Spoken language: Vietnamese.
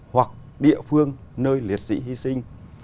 hoặc địa phương nơi liệt sĩ hy sinh